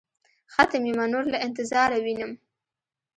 ختم يمه نور له انتظاره وينم.